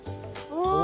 お。